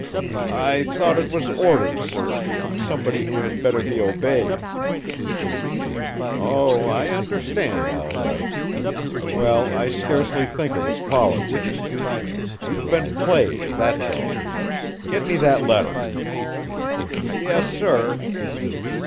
"I thought it was orders, sir, from somebody who had better be obeyed." "Oh, I understand, all right. Well, I scarcely think it was politics. You've been played, that's all. Get me that letter!" "Yes, sir."